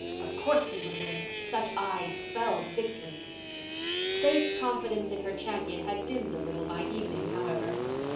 Of course he would win—such eyes spelled victory. Faith's confidence in her champion had dimmed a little by evening, however.